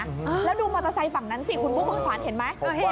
แล้วดูมอเตอร์ไซค์ฝั่งนั้นสิคุณบุ๊คคุณขวานเห็นไหม